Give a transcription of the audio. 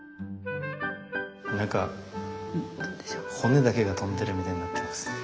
なんか骨だけが飛んでるみたいになってます。